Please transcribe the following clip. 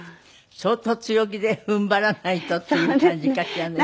相当強気で踏ん張らないとっていう感じかしらね。